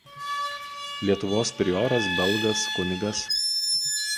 Lietuvos prioras belgas kun.